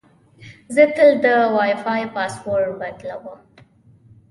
زه تل د وای فای پاسورډ بدلوم.